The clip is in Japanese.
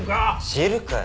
知るかよ。